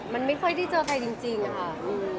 มันไม่ค่อยได้เจอใครจริงค่ะ